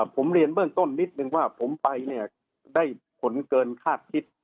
ผมเรียนเบื้องต้นนิดนึงว่าผมไปเนี่ยได้ผลเกินคาดคิด